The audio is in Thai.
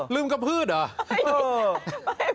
ลืมกระพืชเหรอ